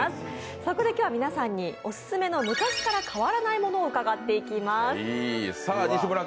そこで今日は皆さんにオススメの昔から変わらないものを伺っていきます。